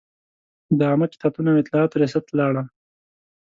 د عامه کتابتون او اطلاعاتو ریاست ته لاړم.